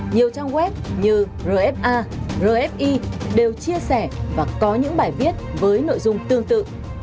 nhiều trang web như rfa rfi đều chia sẻ và có những bài viết với nội dung tương tự